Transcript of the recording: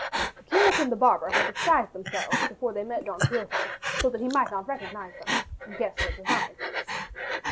The curate and the barber had disguised themselves before they met Don Quixote so that he might not recognize them and guess their design.